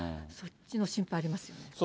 そっちの心配がありますよね。